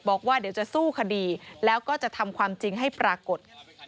บอกว่าเดี๋ยวจะสู้คดีแล้วก็จะทำความจริงให้ปรากฏ